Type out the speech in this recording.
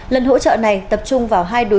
lần hỗ trợ này tập trung vào hai đối tượng